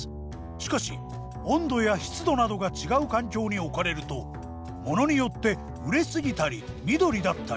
しかし温度や湿度などが違う環境に置かれるとモノによって熟れ過ぎたり緑だったり。